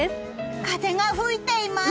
風が吹いています。